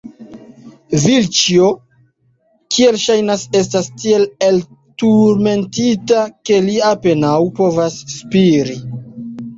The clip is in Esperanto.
Vilĉjo, kiel ŝajnas, estas tiel elturmentita, ke li apenaŭ povas spiri.